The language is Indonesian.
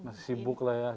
masih sibuk lah ya